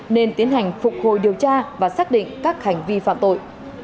nên tiến hành phục hồi điều tra và xác định các hành vi phạm tội